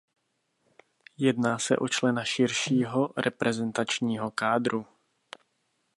Jedná se o člena širšího reprezentačního kádru.